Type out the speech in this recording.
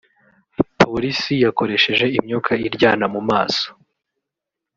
polisi yakoresheje imyuka iryana mu maso